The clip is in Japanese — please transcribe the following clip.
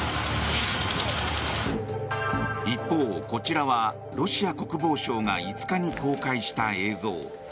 一方、こちらはロシア国防省が５日に公開した映像。